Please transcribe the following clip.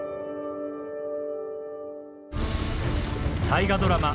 大河ドラマ